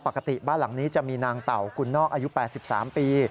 ปกติบ้านหลังนี้จะมีนางเต่ากุลนอกอายุ๘๓ปี